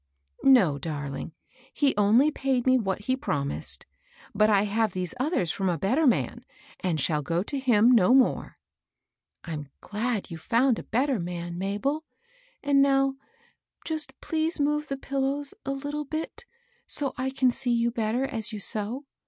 " No, darling ; he only paid me what he prom ised. But I have these othera from a better man, and shall go to him no more." " I'm glad you've found a better man, Mabel I And now just please move the pillows a little bit, so I can see you better as you sew.